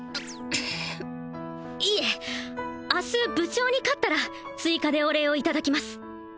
いえ明日部長に勝ったら追加でお礼をいただきます